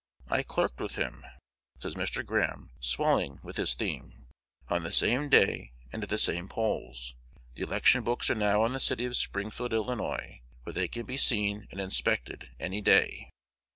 I clerked with him," says Mr. Graham, swelling with his theme, "on the same day and at the same polls. The election books are now in the city of Springfield, Ill., where they can be seen and inspected any day."